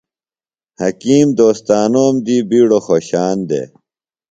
حکیم دوستانوم دی بِیڈوۡ خوۡشان دےۡ۔